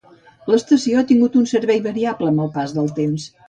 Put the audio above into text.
L'estació ha tingut un servei variable amb el pas del temps.